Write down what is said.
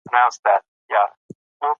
نور سړي باید راغلي وای.